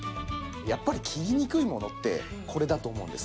やっぱり切りにくいものってこれだと思うんです。